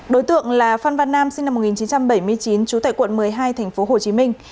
đối tượng là phan văn nam sinh năm một nghìn chín trăm bảy mươi chín trú tại quận một mươi hai thành phố hồ chí minh